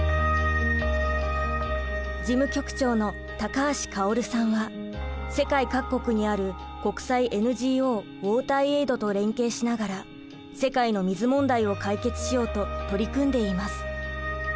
事務局長の高橋郁さんは世界各国にある国際ＮＧＯウォーターエイドと連携しながら世界の水問題を解決しようと取り組んでいます。